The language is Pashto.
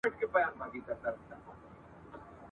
پیکر که هر څو دلربا تر دی !.